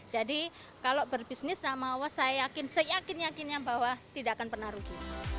jadi kalau berbisnis sama allah saya yakin saya yakin yakinnya bahwa tidak akan pernah rugi